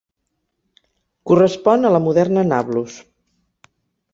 Correspon a la moderna Nablus.